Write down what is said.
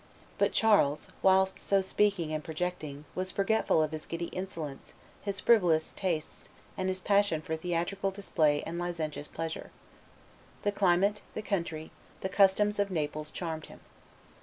But Charles, whilst so speaking and projecting, was forgetful of his giddy indolence, his frivolous tastes, and his passion for theatrical display and licentious pleasure. The climate, the country, the customs of Naples charmed him.